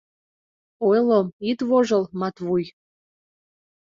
— Ойло, ит вожыл, Матвуй.